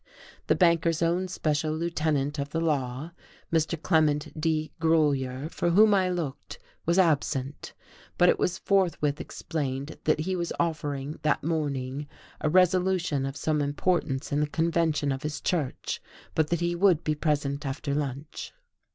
The banker's own special lieutenant of the law, Mr. Clement T. Grolier, for whom I looked, was absent; but it was forthwith explained that he was offering, that morning, a resolution of some importance in the Convention of his Church, but that he would be present after lunch.